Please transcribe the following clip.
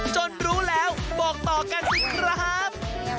จนรู้แล้วบอกต่อกันสิครับ